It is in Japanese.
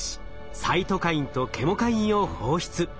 サイトカインとケモカインを放出。